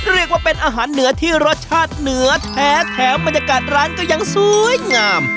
เรียกว่าเป็นอาหารเหนือที่รสชาติเหนือแท้แถมบรรยากาศร้านก็ยังสวยงาม